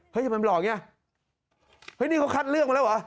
ทำไมมันหลอกอย่างนี้เฮ้ยนี่เขาคัดเลือกมาแล้วเหรอ